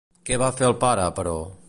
Què va fer el pare, però?